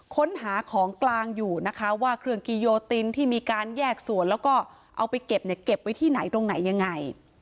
ค้นหาของกลางอยู่นะคะว่าเครื่องกิโยตินที่มีการแยกส่วนแล้วก็เอาไปเก็บเนี่ยเก็บไว้ที่ไหนตรงไหนยังไง